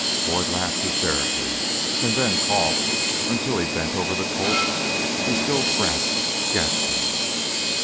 Boyd laughed hysterically, and then coughed, until he bent over the Colt he still grasped, gasping.